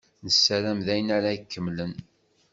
Nessaram d ayen ara ikemmlen.